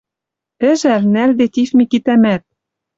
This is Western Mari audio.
Ӹжӓл, нӓлде тиф Микитӓмӓт...» —